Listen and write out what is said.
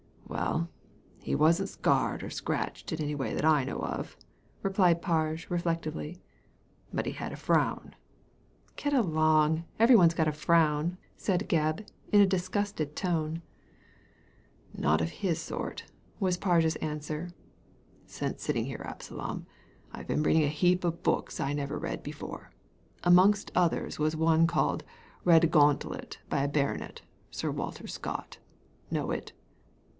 " Well, he wasn't scarred or scratched in any way that I know of," replied Parge, reflectively, " but he had a frown." " Get along ! Every one's got a frown," said Gebb, in a disgusted tone. Digitized by Google THE UNEXPECTED OCCURS 197 "Not of his sort," was Parge's answer. ''Since sitting here, Absalom, IVe been reading a heap of books I never read before. Amongst others one called ' Redgauntlet/ by a baronet, Sir Walter Scott. Know it?"